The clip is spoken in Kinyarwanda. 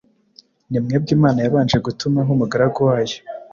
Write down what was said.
Ni mwebwe Imana yabanje gutumaho umugaragu wayo,